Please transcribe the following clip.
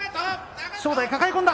正代、抱え込んだ。